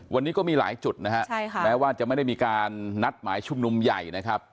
วันนี้ก็มีหลายจุดนะฮะใช่ค่ะแม้ว่าจะไม่ได้มีการนัดหมายชุมนุมใหญ่นะครับ